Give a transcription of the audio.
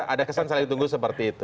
ada kesan saling tunggu seperti itu